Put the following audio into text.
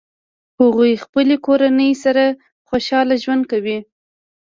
هغوی خپلې کورنۍ سره خوشحال ژوند کوي